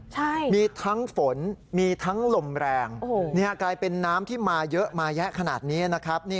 ใช่มีทั้งฝนมีทั้งลมแรงโอ้โหนี่กลายเป็นน้ำที่มาเยอะมาแยะขนาดนี้นะครับ